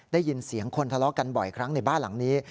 ได้ยินเสียงคนทะเลาะกันบ่อยครั้งในบ้านหลังนี้